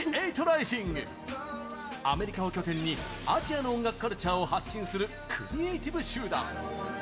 アメリカを拠点にアジアの音楽カルチャーを発信するクリエイティブ集団。